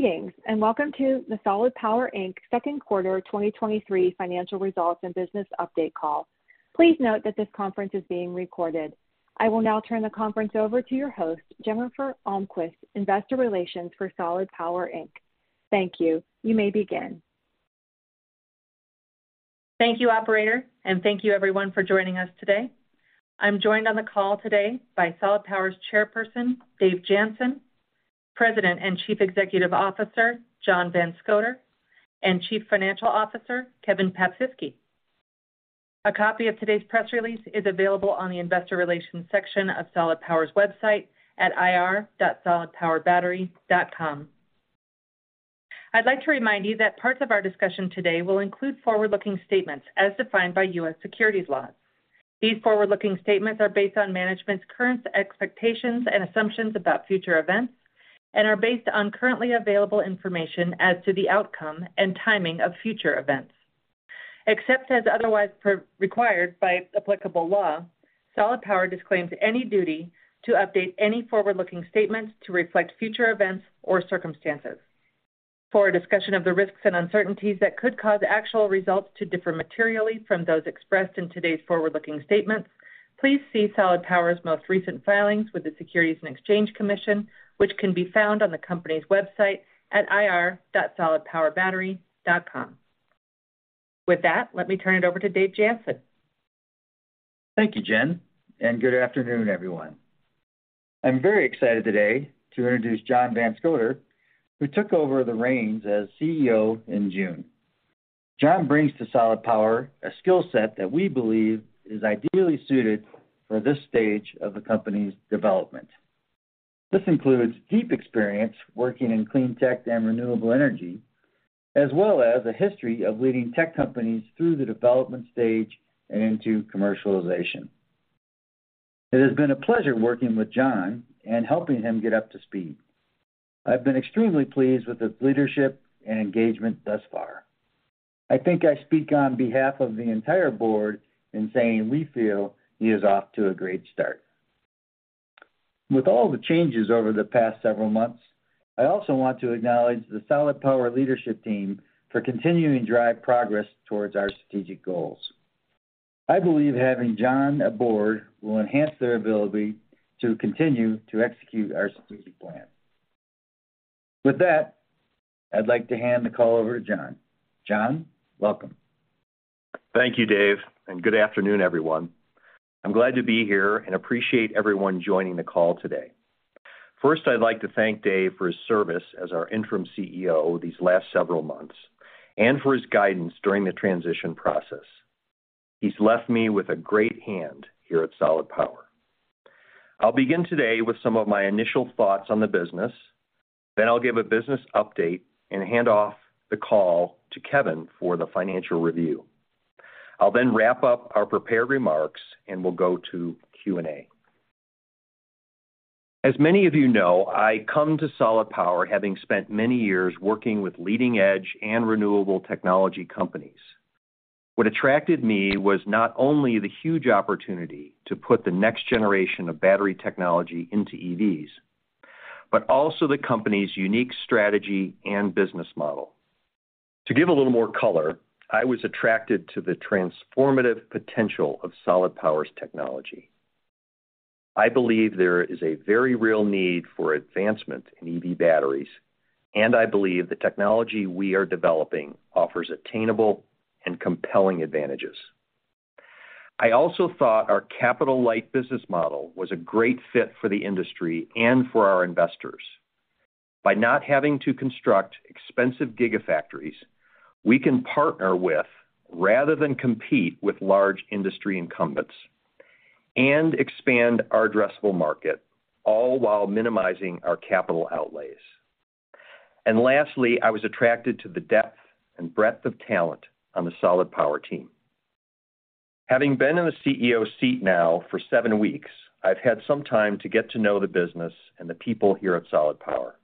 Greetings, and welcome to the Solid Power Inc Q2 2023 Financial Results and Business Update Call. Please note that this conference is being recorded. I will now turn the conference over to your host, Jennifer Almquist, investor relations for olid Power Inc. Thank you. You may begin. Thank you, operator, and thank you everyone for joining us today. I'm joined on the call today by Solid Power's Chairperson, Dave Jansen, President and Chief Executive Officer, John Van Scoter, and Chief Financial Officer, Kevin Paprzycki. A copy of today's press release is available on the investor relations section of Solid Power's website at ir.solidpowerbattery.com. I'd like to remind you that parts of our discussion today will include forward-looking statements as defined by U.S. securities laws. These forward-looking statements are based on management's current expectations and assumptions about future events and are based on currently available information as to the outcome and timing of future events. Except as otherwise required by applicable law, Solid Power disclaims any duty to update any forward-looking statements to reflect future events or circumstances. For a discussion of the risks and uncertainties that could cause actual results to differ materially from those expressed in today's forward-looking statements, please see Solid Power's most recent filings with the Securities and Exchange Commission, which can be found on the company's website at ir.solidpowerbattery.com. With that, let me turn it over to Dave Jansen. Thank you, Jen, and good afternoon, everyone. I'm very excited today to introduce John Van Scoter, who took over the reins as CEO in June. John brings to Solid Power a skill set that we believe is ideally suited for this stage of the company's development. This includes deep experience working in clean tech and renewable energy, as well as a history of leading tech companies through the development stage and into commercialization. It has been a pleasure working with John and helping him get up to speed. I've been extremely pleased with his leadership and engagement thus far. I think I speak on behalf of the entire board in saying we feel he is off to a great start. With all the changes over the past several months, I also want to acknowledge the Solid Power leadership team for continuing to drive progress towards our strategic goals. I believe having John aboard will enhance their ability to continue to execute our strategic plan. With that, I'd like to hand the call over to John. John, welcome. Thank you, Dave. Good afternoon, everyone. I'm glad to be here and appreciate everyone joining the call today. First, I'd like to thank Dave for his service as our interim CEO these last several months and for his guidance during the transition process. He's left me with a great hand here at Solid Power. I'll begin today with some of my initial thoughts on the business. I'll give a business update and hand off the call to Kevin for the financial review. I'll wrap up our prepared remarks, and we'll go to Q&A. As many of you know, I come to Solid Power having spent many years working with leading-edge and renewable technology companies. What attracted me was not only the huge opportunity to put the next generation of battery technology into EVs, but also the company's unique strategy and business model. To give a little more color, I was attracted to the transformative potential of Solid Power's technology. I believe there is a very real need for advancement in EV batteries, and I believe the technology we are developing offers attainable and compelling advantages. I also thought our capital-light business model was a great fit for the industry and for our investors. By not having to construct expensive gigafactories, we can partner with, rather than compete with, large industry incumbents and expand our addressable market, all while minimizing our capital outlays. Lastly, I was attracted to the depth and breadth of talent on the Solid Power team. Having been in the CEO seat now for seven weeks, I've had some time to get to know the business and the people here at Solid Power.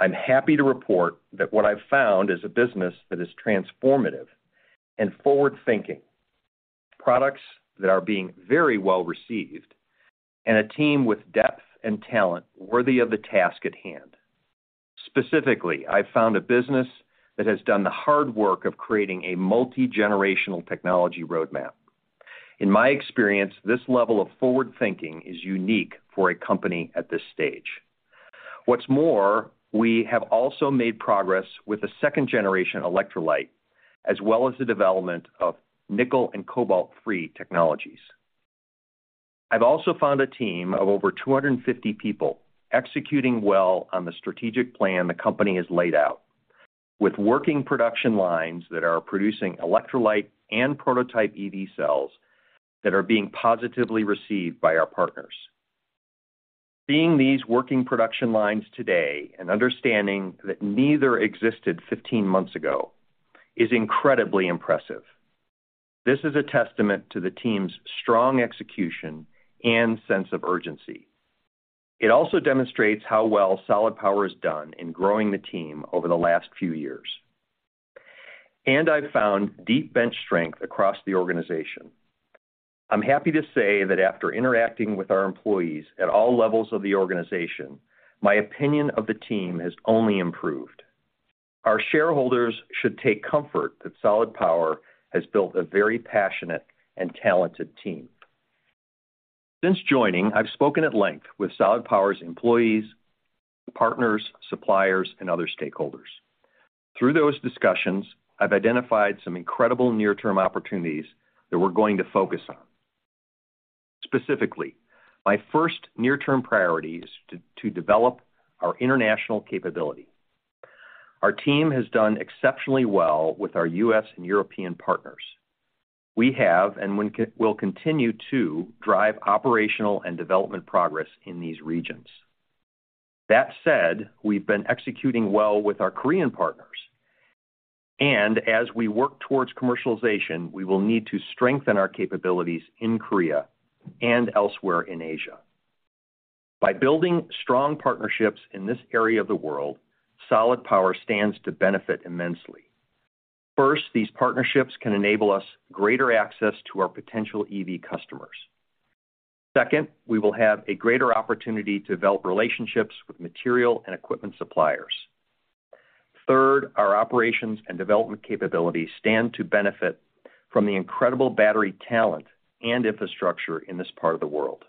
I'm happy to report that what I've found is a business that is transformative and forward-thinking, products that are being very well received, and a team with depth and talent worthy of the task at hand. Specifically, I've found a business that has done the hard work of creating a multigenerational technology roadmap. In my experience, this level of forward thinking is unique for a company at this stage. What's more, we have also made progress with a 2nd-generation electrolyte, as well as the development of nickel and cobalt-free technologies. I've also found a team of over 250 people executing well on the strategic plan the company has laid out, with working production lines that are producing electrolyte and prototype EV cells that are being positively received by our partners. Seeing these working production lines today and understanding that neither existed 15 months ago is incredibly impressive. This is a testament to the team's strong execution and sense of urgency. It also demonstrates how well Solid Power has done in growing the team over the last few years. I've found deep bench strength across the organization. I'm happy to say that after interacting with our employees at all levels of the organization, my opinion of the team has only improved. Our shareholders should take comfort that Solid Power has built a very passionate and talented team. Since joining, I've spoken at length with Solid Power's employees, partners, suppliers, and other stakeholders. Through those discussions, I've identified some incredible near-term opportunities that we're going to focus on. Specifically, my first near-term priority is to develop our international capability. Our team has done exceptionally well with our US and European partners. We have, and we will continue to, drive operational and development progress in these regions. That said, we've been executing well with our Korean partners, and as we work towards commercialization, we will need to strengthen our capabilities in Korea and elsewhere in Asia. By building strong partnerships in this area of the world, Solid Power stands to benefit immensely. First, these partnerships can enable us greater access to our potential EV customers. Second, we will have a greater opportunity to develop relationships with material and equipment suppliers. Third, our operations and development capabilities stand to benefit from the incredible battery talent and infrastructure in this part of the world.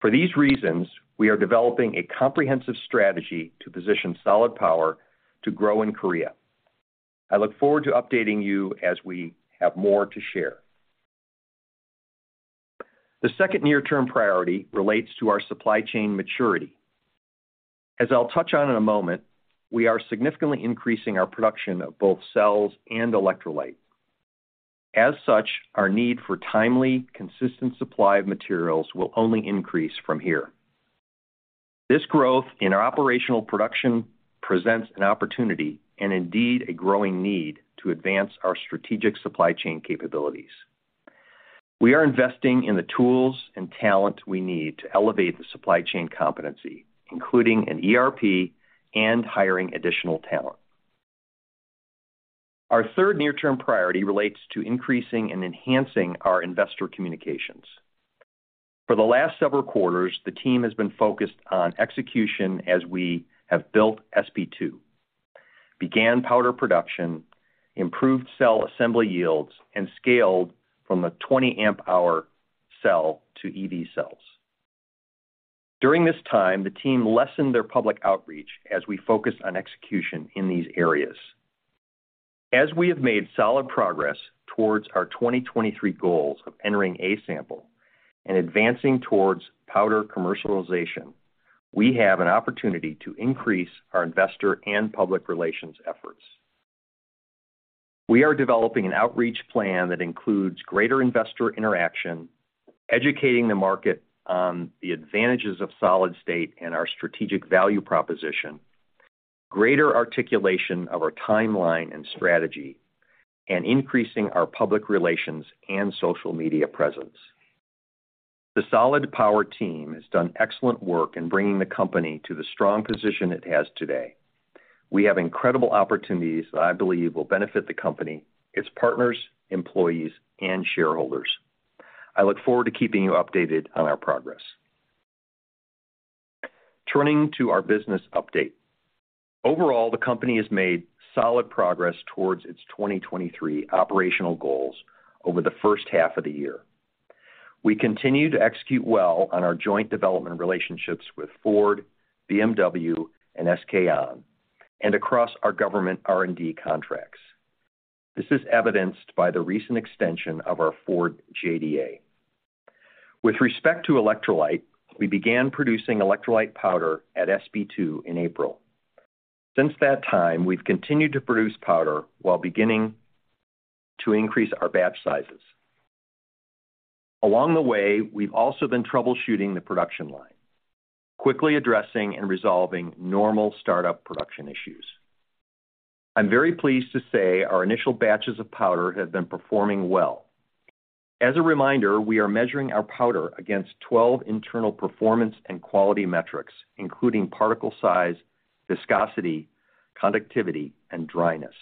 For these reasons, we are developing a comprehensive strategy to position Solid Power to grow in Korea. I look forward to updating you as we have more to share. The second near-term priority relates to our supply chain maturity. As I'll touch on in a moment, we are significantly increasing our production of both cells and electrolyte. As such, our need for timely, consistent supply of materials will only increase from here. This growth in our operational production presents an opportunity and indeed a growing need to advance our strategic supply chain capabilities. We are investing in the tools and talent we need to elevate the supply chain competency, including an ERP and hiring additional talent. Our third near-term priority relates to increasing and enhancing our investor communications. For the last several quarters, the team has been focused on execution as we have built SP2, began powder production, improved cell assembly yields, and scaled from a 20 Ah cell to EV cells. During this time, the team lessened their public outreach as we focused on execution in these areas. As we have made solid progress towards our 2023 goals of entering A-sample and advancing towards powder commercialization, we have an opportunity to increase our investor and public relations efforts. We are developing an outreach plan that includes greater investor interaction, educating the market on the advantages of solid-state and our strategic value proposition, greater articulation of our timeline and strategy, and increasing our public relations and social media presence. The Solid Power team has done excellent work in bringing the company to the strong position it has today. We have incredible opportunities that I believe will benefit the company, its partners, employees, and shareholders. I look forward to keeping you updated on our progress. Turning to our business update. Overall, the company has made solid progress towards its 2023 operational goals over the first half of the year. We continue to execute well on our joint development relationships with Ford, BMW, and SK On, and across our government R&D contracts. This is evidenced by the recent extension of our Ford JDA. With respect to electrolyte, we began producing electrolyte powder at SP2 in April. Since that time, we've continued to produce powder while beginning to increase our batch sizes. Along the way, we've also been troubleshooting the production line, quickly addressing and resolving normal startup production issues. I'm very pleased to say our initial batches of powder have been performing well. As a reminder, we are measuring our powder against 12 internal performance and quality metrics, including particle size, viscosity, conductivity, and dryness.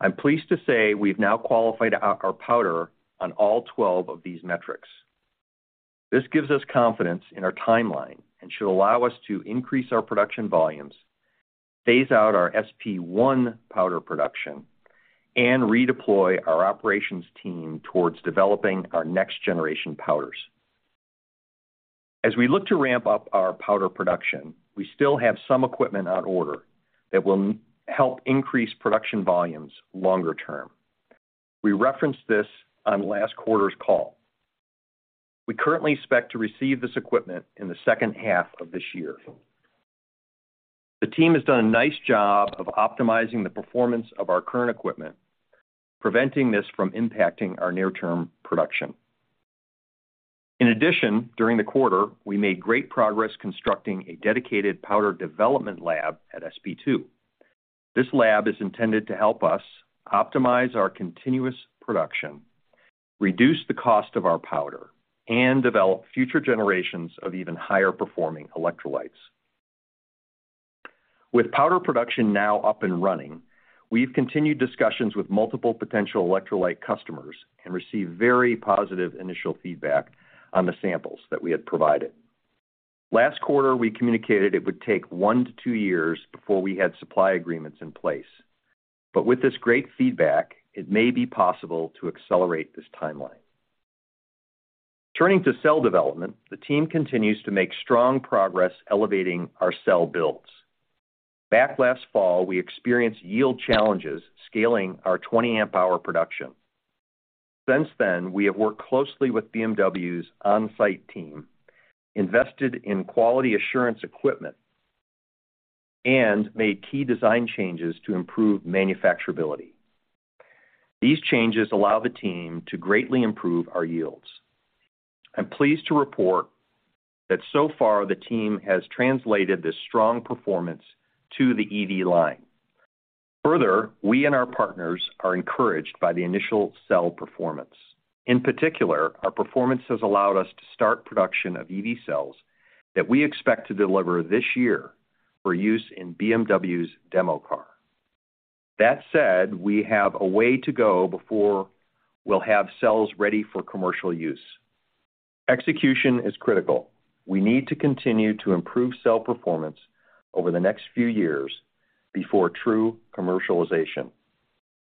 I'm pleased to say we've now qualified our powder on all 12 of these metrics. This gives us confidence in our timeline and should allow us to increase our production volumes, phase out our SP1 powder production, and redeploy our operations team towards developing our next generation powders. As we look to ramp up our powder production, we still have some equipment on order that will help increase production volumes longer term. We referenced this on last quarter's call. We currently expect to receive this equipment in the second half of this year. The team has done a nice job of optimizing the performance of our current equipment, preventing this from impacting our near-term production. In addition, during the quarter, we made great progress constructing a dedicated powder development lab at SP2. This lab is intended to help us optimize our continuous production-... reduce the cost of our powder, and develop future generations of even higher-performing electrolytes. With powder production now up and running, we've continued discussions with multiple potential electrolyte customers and received very positive initial feedback on the samples that we had provided. Last quarter, we communicated it would take 1 to 2 years before we had supply agreements in place. With this great feedback, it may be possible to accelerate this timeline. Turning to cell development, the team continues to make strong progress elevating our cell builds. Back last fall, we experienced yield challenges scaling our 20 Ah production. Since then, we have worked closely with BMW's on-site team, invested in quality assurance equipment, and made key design changes to improve manufacturability. These changes allow the team to greatly improve our yields. I'm pleased to report that so far, the team has translated this strong performance to the EV line. Further, we and our partners are encouraged by the initial cell performance. In particular, our performance has allowed us to start production of EV cells that we expect to deliver this year for use in BMW's demo car. That said, we have a way to go before we'll have cells ready for commercial use. Execution is critical. We need to continue to improve cell performance over the next few years before true commercialization.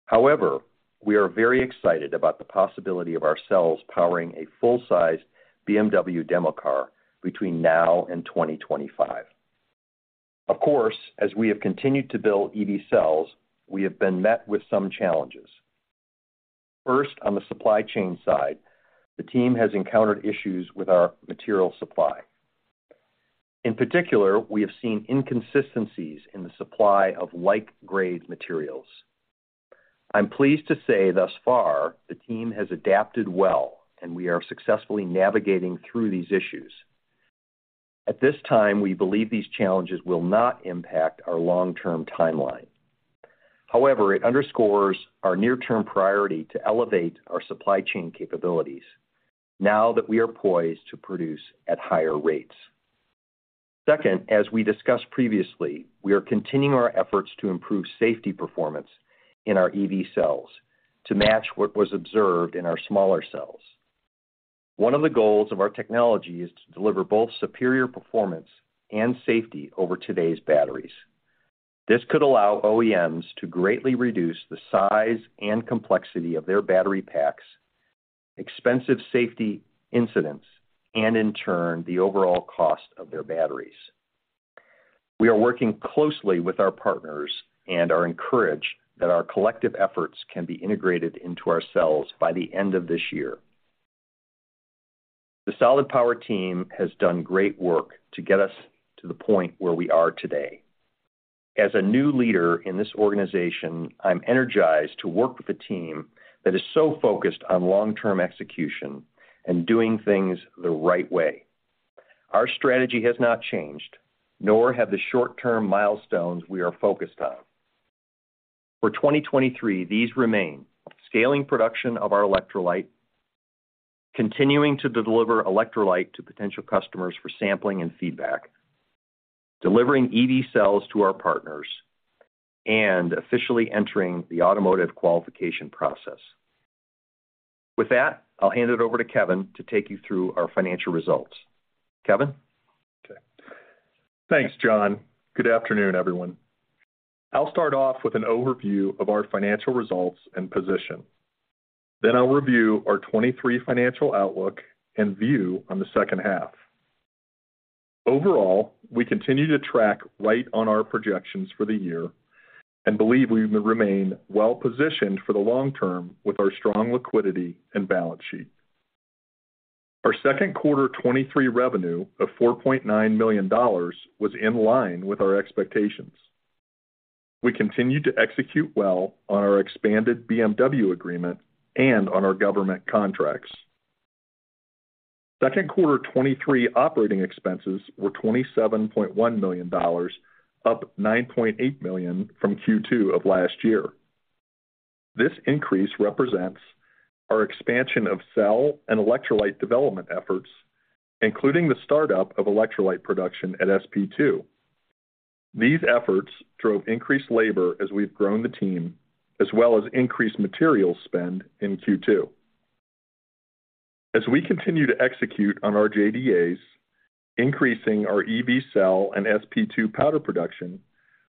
However, we are very excited about the possibility of our cells powering a full-size BMW demo car between now and 2025. Of course, as we have continued to build EV cells, we have been met with some challenges. First, on the supply chain side, the team has encountered issues with our material supply. In particular, we have seen inconsistencies in the supply of like-grade materials. I'm pleased to say, thus far, the team has adapted well, and we are successfully navigating through these issues. At this time, we believe these challenges will not impact our long-term timeline. However, it underscores our near-term priority to elevate our supply chain capabilities now that we are poised to produce at higher rates. Second, as we discussed previously, we are continuing our efforts to improve safety performance in our EV cells to match what was observed in our smaller cells. One of the goals of our technology is to deliver both superior performance and safety over today's batteries. This could allow OEMs to greatly reduce the size and complexity of their battery packs, expensive safety incidents, and in turn, the overall cost of their batteries. We are working closely with our partners and are encouraged that our collective efforts can be integrated into our cells by the end of this year. The Solid Power team has done great work to get us to the point where we are today. As a new leader in this organization, I'm energized to work with a team that is so focused on long-term execution and doing things the right way. Our strategy has not changed, nor have the short-term milestones we are focused on. For 2023, these remain: scaling production of our electrolyte, continuing to deliver electrolyte to potential customers for sampling and feedback, delivering EV cells to our partners, and officially entering the automotive qualification process. With that, I'll hand it over to Kevin to take you through our financial results. Kevin? Okay. Thanks, John. Good afternoon, everyone. I'll start off with an overview of our financial results and position. I'll review our 2023 financial outlook and view on the second half. Overall, we continue to track right on our projections for the year and believe we remain well-positioned for the long term with our strong liquidity and balance sheet. Our Q2 2023 revenue of $4.9 million was in line with our expectations. We continued to execute well on our expanded BMW agreement and on our government contracts. Q2 2023 operating expenses were $27.1 million, up $9.8 million from Q2 of last year. This increase represents our expansion of cell and electrolyte development efforts, including the startup of electrolyte production at SP2. These efforts drove increased labor as we've grown the team, as well as increased material spend in Q2. As we continue to execute on our JDAs, increasing our EV cell and SP2 powder production,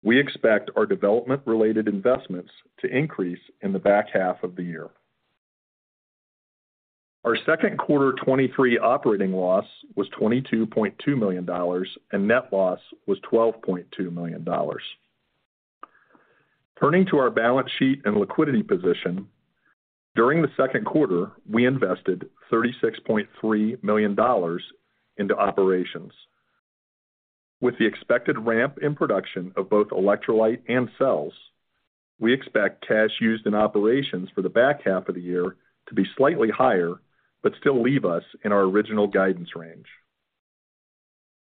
we expect our development-related investments to increase in the back half of the year. Our Q2 2023 operating loss was $22.2 million, and net loss was $12.2 million. Turning to our balance sheet and liquidity position, during the Q2, we invested $36.3 million into operations. With the expected ramp in production of both electrolyte and cells, we expect cash used in operations for the back half of the year to be slightly higher, but still leave us in our original guidance range.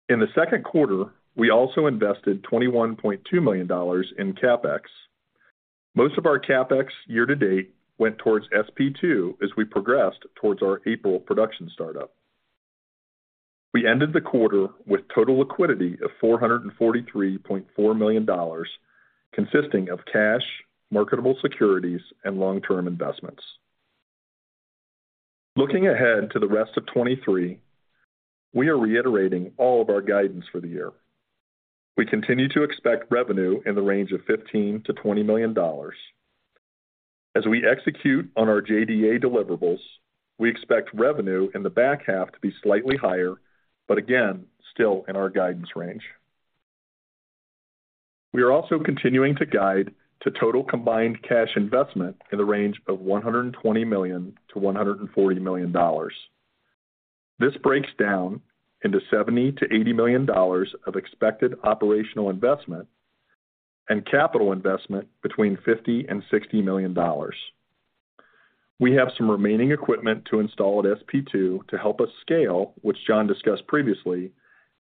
In the Q2, we also invested $21.2 million in CapEx. Most of our CapEx year-to-date went towards SP2 as we progressed towards our April production startup. We ended the quarter with total liquidity of $443.4 million, consisting of cash, marketable securities, and long-term investments. Looking ahead to the rest of 2023, we are reiterating all of our guidance for the year. We continue to expect revenue in the range of $15 to 20 million. As we execute on our JDA deliverables, we expect revenue in the back half to be slightly higher, but again, still in our guidance range. We are also continuing to guide to total combined cash investment in the range of $120 to 140 million. This breaks down into $70 to 80 million of expected operational investment and capital investment between $50 and 60 million. We have some remaining equipment to install at SP2 to help us scale, which John discussed previously.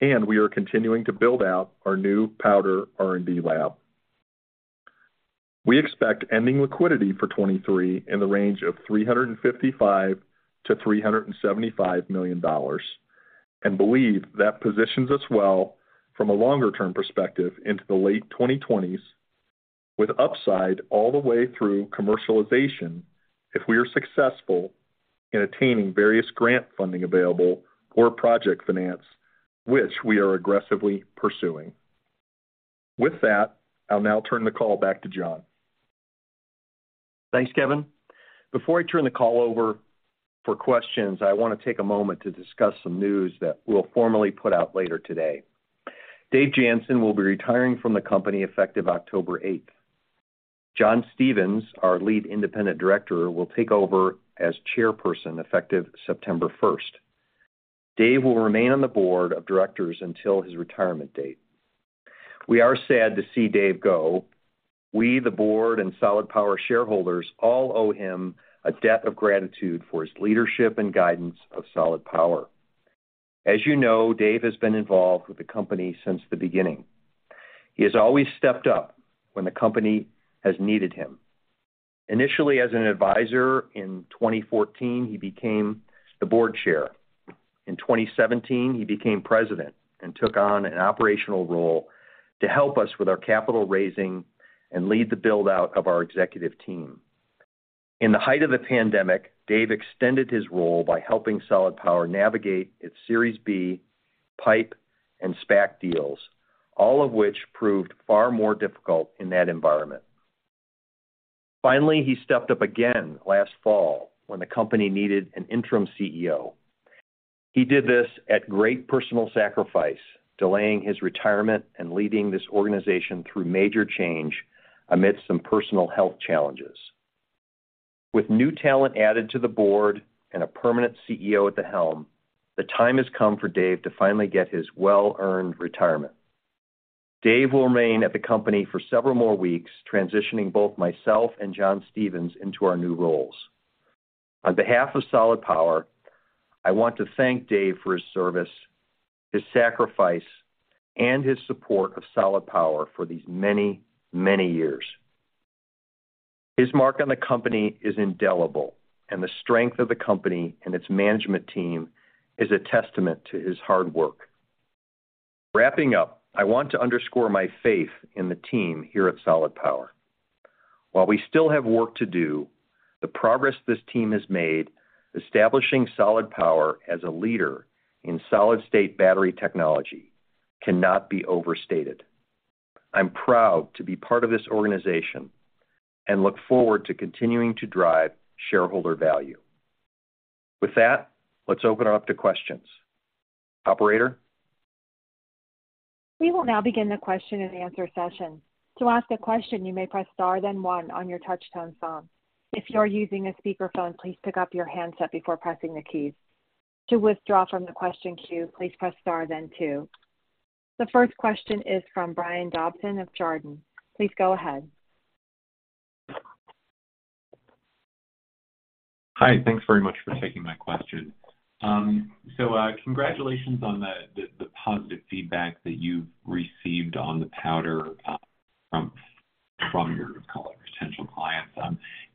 We are continuing to build out our new powder R&D lab. We expect ending liquidity for 2023 in the range of $355 to 375 million, and believe that positions us well from a longer-term perspective into the late 2020s, with upside all the way through commercialization if we are successful in attaining various grant funding available or project finance, which we are aggressively pursuing. With that, I'll now turn the call back to John. Thanks, Kevin. Before I turn the call over for questions, I want to take a moment to discuss some news that we'll formally put out later today. Dave Jansen will be retiring from the company effective 8 October. John Stephens, our Lead Independent Director, will take over as Chairperson, effective 1 September. Dave will remain on the Board of Directors until his retirement date. We are sad to see Dave go. We, the board, and Solid Power shareholders all owe him a debt of gratitude for his leadership and guidance of Solid Power. As you know, Dave has been involved with the company since the beginning. He has always stepped up when the company has needed him. Initially, as an advisor in 2014, he became the board chair. In 2017, he became president and took on an operational role to help us with our capital raising and lead the build-out of our executive team. In the height of the pandemic, Dave extended his role by helping Solid Power navigate its Series B, PIPE, and SPAC deals, all of which proved far more difficult in that environment. Finally, he stepped up again last fall when the company needed an interim CEO. He did this at great personal sacrifice, delaying his retirement and leading this organization through major change amidst some personal health challenges. With new talent added to the board and a permanent CEO at the helm, the time has come for Dave to finally get his well-earned retirement. Dave will remain at the company for several more weeks, transitioning both myself and John Stephens into our new roles. On behalf of Solid Power, I want to thank Dave for his service, his sacrifice, and his support of Solid Power for these many, many years. His mark on the company is indelible, and the strength of the company and its management team is a testament to his hard work. Wrapping up, I want to underscore my faith in the team here at Solid Power. While we still have work to do, the progress this team has made, establishing Solid Power as a leader in solid-state battery technology, cannot be overstated. I'm proud to be part of this organization and look forward to continuing to drive shareholder value. With that, let's open it up to questions. Operator? We will now begin the question-and-answer session. To ask a question, you may press Star, then one on your touchtone phone. If you are using a speakerphone, please pick up your handset before pressing the keys. To withdraw from the question queue, please press Star, then two. The first question is from Brian Dobson of Chardan. Please go ahead. Hi, thanks very much for taking my question. Congratulations on the positive feedback that you've received on the powder from your potential clients.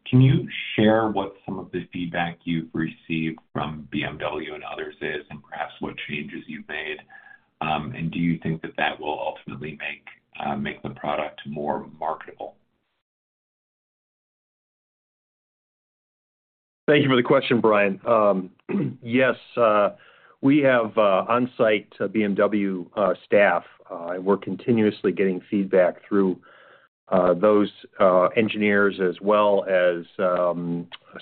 Can you share what some of the feedback you've received from BMW and others is, and perhaps what changes you've made? Do you think that that will ultimately make the product more marketable? Thank you for the question, Brian. Yes, we have on-site BMW staff, and we're continuously getting feedback through those engineers, as well as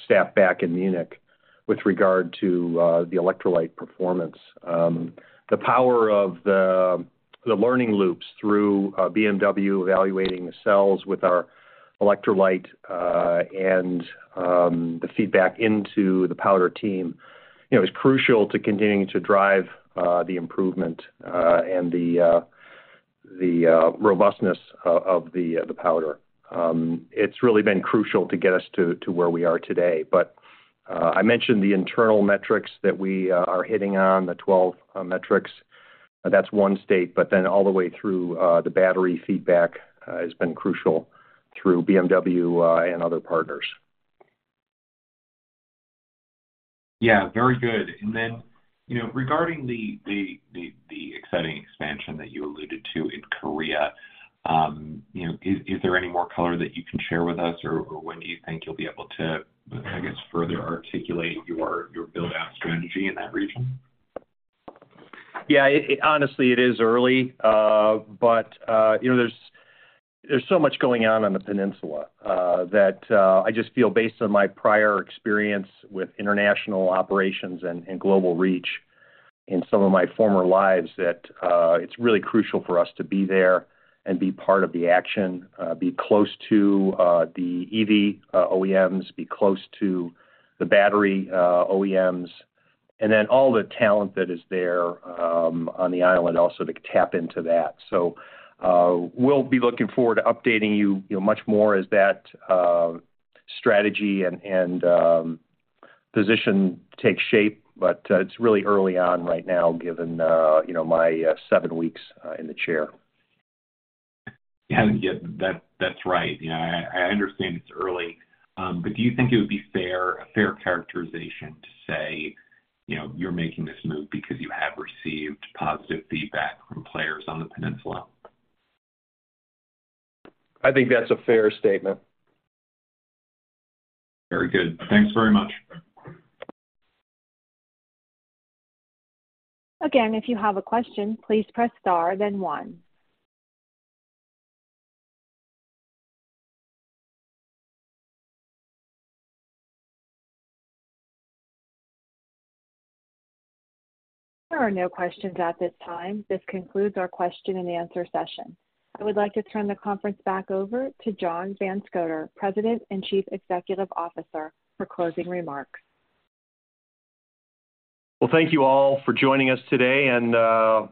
staff back in Munich with regard to the electrolyte performance. The power of the learning loops through BMW evaluating the cells with our electrolyte, and the feedback into the powder team, you know, is crucial to continuing to drive the improvement and the robustness of the powder. It's really been crucial to get us to where we are today. I mentioned the internal metrics that we are hitting on, the 12 metrics. That's one state, but then all the way through the battery feedback has been crucial through BMW and other partners. Yeah, very good. You know, regarding the, the, the, the exciting expansion that you alluded to in Korea, you know, is, is there any more color that you can share with us, or, or when do you think you'll be able to, I guess, further articulate your, your build-out strategy in that region? Yeah, it, honestly, it is early. you know, there's, there's so much going on on the peninsula that I just feel, based on my prior experience with international operations and, and global reach in some of my former lives, that it's really crucial for us to be there and be part of the action, be close to the EV OEMs, be close to the battery OEMs, and then all the talent that is there on the peninsula also, to tap into that. we'll be looking forward to updating you, you know, much more as that strategy and, and position takes shape. it's really early on right now, given, you know, my 7 weeks in the chair. Yeah. That, that's right. Yeah, I, I understand it's early. Do you think it would be fair, a fair characterization to say, you know, you're making this move because you have received positive feedback from players on the peninsula? I think that's a fair statement. Very good. Thanks very much. Again, if you have a question, please press star then one. There are no questions at this time. This concludes our question and answer session. I would like to turn the conference back over to John Van Scoter, President and Chief Executive Officer, for closing remarks. Well, thank you all for joining us today.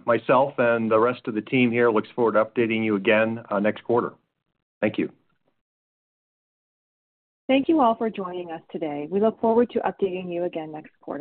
Myself and the rest of the team here looks forward to updating you again, next quarter. Thank you. Thank you all for joining us today. We look forward to updating you again next quarter.